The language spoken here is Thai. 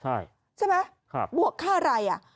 ใช่ใช่ไหมกดบวกค่าอะไร